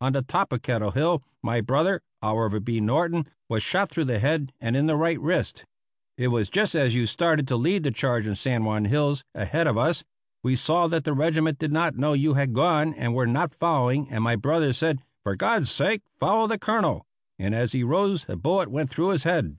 On the top of Kettle Hill my brother, Oliver B. Norton, was shot through the head and in the right wrist. It was just as you started to lead the charge on the San Juan hills ahead of us; we saw that the regiment did not know you had gone and were not following, and my brother said, "For God's sake follow the Colonel," and as he rose the bullet went through his head.